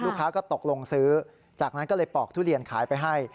ลูกค้าก็ตกลงซื้อจากนั้นก็เลยปอกทุเรียนขายไปให้